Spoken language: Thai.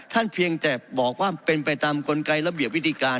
เพียงแต่บอกว่าเป็นไปตามกลไกระเบียบวิธีการ